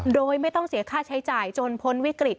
โดยไม่ต้องเสียค่าใช้จ่ายจนพ้นวิกฤต